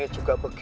dia sudah berubah